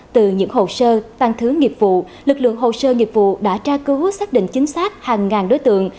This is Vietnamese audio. từ những hồ sơ tăng thứ nghiệp vụ lực lượng hồ sơ nghiệp vụ đã tra cứu xác định chính xác hàng ngàn đối tượng